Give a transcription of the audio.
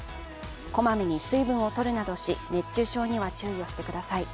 こまめに水分をとるなどし、熱中症には注意をしてください。